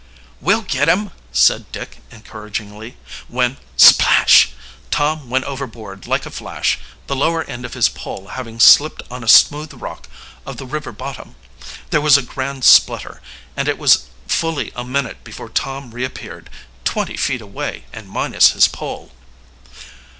"We'll get him," said Dick encouragingly, when, splash! Tom went overboard like a flash, the lower end of his pole having slipped on a smooth rock of the river bottom. There was a grand splutter, and it was fully a minute before Tom reappeared twenty feet away and minus his pole.